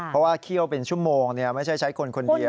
เพราะว่าเคี่ยวเป็นชั่วโมงไม่ใช่ใช้คนคนเดียว